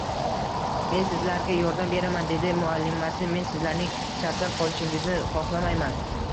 Men sizlarga yordam beraman, dedi muallimasi, men sizlarning charchab qolishingizni xohlamayman